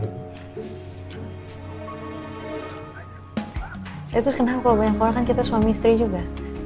ya terus kenapa kalau banyak sekolah kan kita suami istri juga